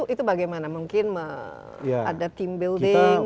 itu bagaimana mungkin ada team building atau dengan